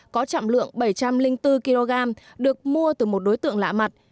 có trọng lượng bảy trăm linh bốn kg được mua từ một đối tượng lạ mặt